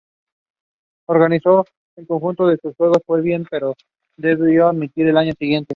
Organizó un conjunto de juegos que fue bien, pero debió dimitir al año siguiente.